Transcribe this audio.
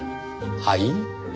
はい？